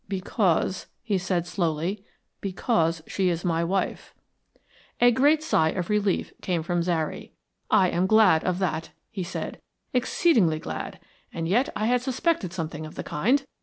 "Because," he said slowly, "because she is my wife." A great sigh of relief came from Zary. "I am glad of that," he said. "Exceedingly glad. And yet I had suspected something of the kind.